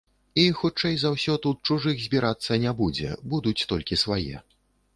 І, хутчэй за ўсё, тут чужых збірацца не будзе, будуць толькі свае.